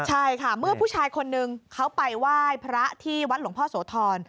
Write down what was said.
ใช่ค่ะเมื่อผู้ชายคนนึงเขาไปไหว้พระที่วัดหลวงพ่อโสธร